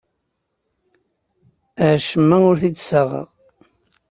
Acemma ur t-id-ssaɣeɣ.